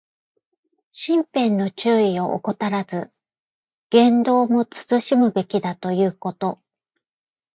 身辺の注意を怠らず、言動も慎むべきだということ。